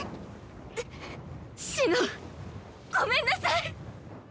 うっ紫乃ごめんなさい。